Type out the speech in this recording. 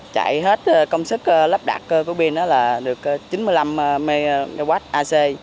chạy hết công suất lắp đặt của biên là được chín mươi năm mwp ac